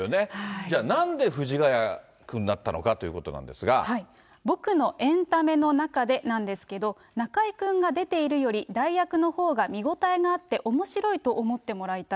じゃあ、なんで藤ヶ谷君だったの僕のエンタメの中でなんですけど、中居君が出ているより代役のほうが見応えがあっておもしろいと思ってもらいたい。